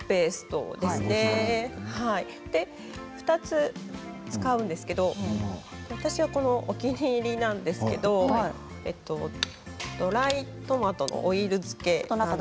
２つ使うんですけれど私はお気に入りなんですけれどドライトマトのオイル漬け。